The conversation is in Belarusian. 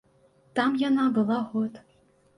Там яна была год.